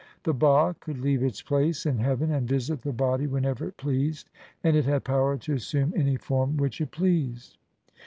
The ba could leave its place in heaven and visit the body whenever it pleased, and it had power to assume any form which it pleased.